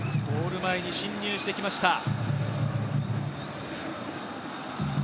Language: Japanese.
ゴール前に進入してきました。